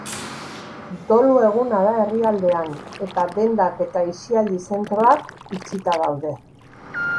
Dolu eguna da herrialdean, eta dendak eta aisialdi zentroak itxita daude.